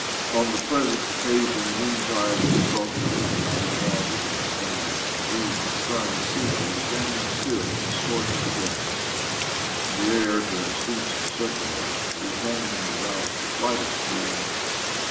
] On the present occasion noontide was sultry, and not a cloud was in the sky. Indeed, the sun seemed to be standing still to scorch the grass, and the air to have ceased to circulate —to be hanging without the slightest move ment.